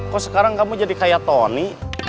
kok sekarang kamu jadi kayak tony